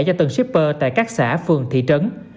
cho tầng shipper tại các xã phường thị trấn